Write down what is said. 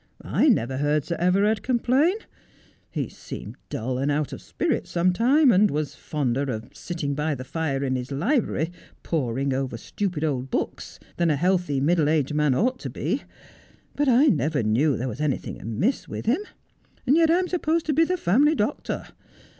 I never heard Sir Everard complain. He seemed dull and out of spirits sometimes, and was fonder of sitting by the fire in his library poring over stupid old books than a healthy middle aged man ought to bs. But I never knew there was anything amiss with him. Yet I'm supposed to be the family doctor.